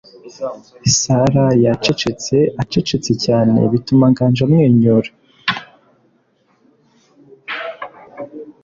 Sarah yacecetse acecetse cyane bituma Nganji amwenyura.